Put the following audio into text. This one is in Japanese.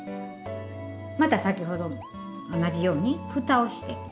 また先ほどと同じようにふたをして。